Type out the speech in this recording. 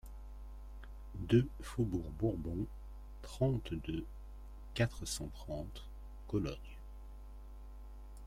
deux faubourg Bourbon, trente-deux, quatre cent trente, Cologne